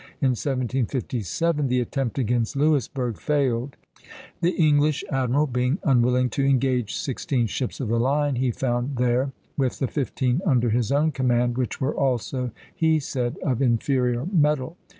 In 1757 the attempt against Louisburg failed; the English admiral being unwilling to engage sixteen ships of the line he found there, with the fifteen under his own command, which were also, he said, of inferior metal.